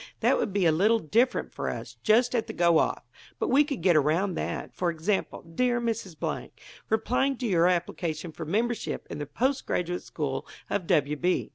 That would be a little difficult for us just at the go off. But we could get around that. For example, 'Dear Mrs. Blank: Replying to your application for membership in the Post Graduate School of W.